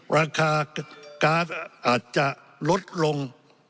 ราคาก๊าซอาจจะลดลง